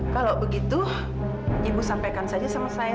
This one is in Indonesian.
kalau begitu ibu sampaikan saja sama saya